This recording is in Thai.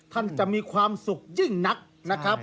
ท่านจะมีความสุขยิ่งนักนะครับ